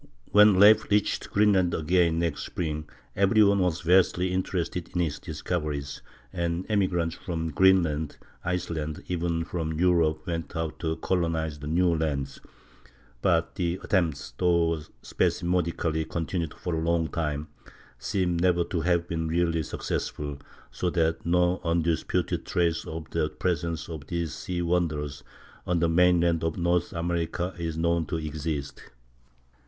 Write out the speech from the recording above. When Leif reached Greenland again, the next spring, every one was vastly interested in his discoveries, and emigrants from Greenland, Iceland, and even from Europe went out to colonize the new lands; but the attempts, though spasmodically continued for a long time, seem never to have been really successful, so that no undisputed trace of the presence of these sea wanderers on the mainland of North America is known to exist.